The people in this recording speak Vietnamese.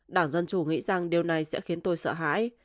đảng dân chủ nghĩ rằng điều này sẽ khiến tôi sợ hãi